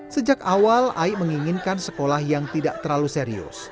sejak awal aik menginginkan sekolah yang tidak terlalu serius